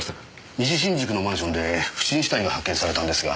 西新宿のマンションで不審死体が発見されたんですが